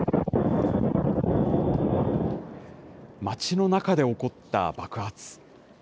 街の中で起こった爆発。